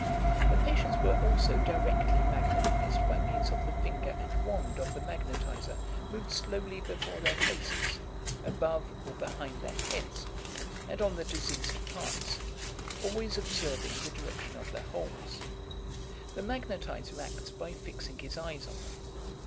The patients were also directly magnetised by means of the finger and wand of the magnetiser moved slowly before their faces, above or behind their heads, and on the diseased parts, always observing the direction of the holes. The magnetiser acts by fixing his eyes on them.